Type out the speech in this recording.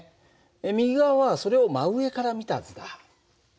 右側はそれを真上から見た図だ。